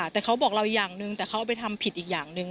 แต่เขาบอกเราอย่างหนึ่งแต่เขาเอาไปทำผิดอีกอย่างหนึ่ง